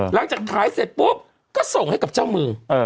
หลังจากขายเสร็จปุ๊บก็ส่งให้กับเจ้ามือ